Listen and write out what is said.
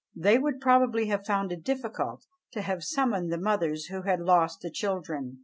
They would probably have found it difficult to have summoned the mothers who had lost the children.